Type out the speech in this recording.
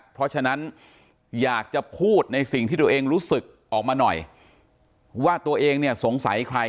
เพราะฉะนั้นอยากจะพูดในสิ่งที่ตัวเองรู้สึกออกมาหน่อยว่าตัวเองเนี่ยสงสัยใคร